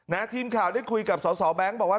นะครับทีมข่าวได้คุยกับสาวแบงก์บอกว่า